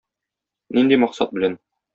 Нинди максат белән?